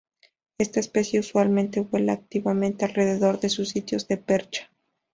Esta especie usualmente vuela activamente alrededor de sus sitios de percha.